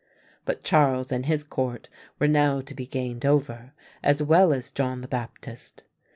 But Charles and his court were now to be gained over, as well as John the Baptist.